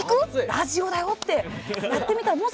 ラジオだよって言ってみよう。